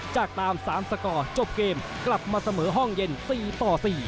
จากตาม๓สกอร์จบเกมกลับมาเสมอห้องเย็น๔ต่อ๔